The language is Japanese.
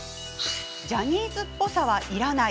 ジャニーズっぽさはいらない。